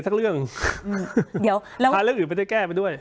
สักเรื่องเดี๋ยวแล้วพาเรื่องอื่นไม่ได้แก้ไปด้วย